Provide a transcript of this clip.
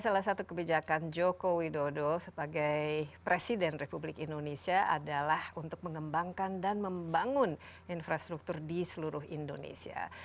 salah satu kebijakan joko widodo sebagai presiden republik indonesia adalah untuk mengembangkan dan membangun infrastruktur di seluruh indonesia